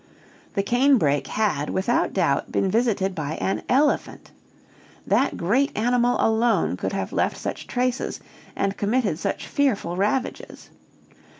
The cane brake had, without doubt, been visited by an elephant. That great animal alone could have left such traces and committed such fearful ravages.